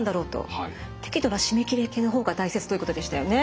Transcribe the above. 適度な湿り気の方が大切ということでしたよね。